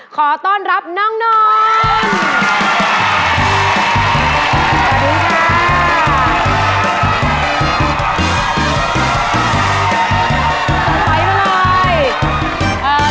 ขอต้อนรับน้องนนท์